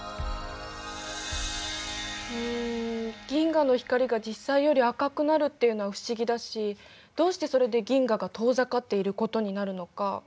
うん銀河の光が実際より赤くなるっていうのは不思議だしどうしてそれで銀河が遠ざかっていることになるのか分からない。